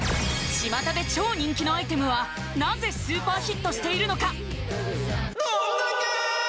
ちまたで超人気のアイテムはなぜスーパーヒットしているのか？